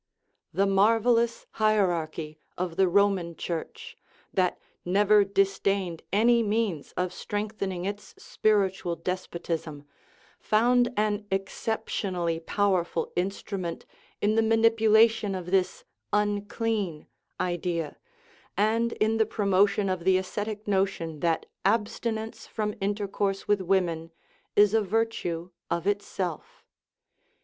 The marvellous hierarchy of the Roman Church, that never disdained any means of strengthening its spirit ual despotism, found an exceptionally powerful instru ment in the manipulation of this " unclean " idea, and in the promotion of the ascetic notion that abstinence from intercourse with women is a virtue of itself.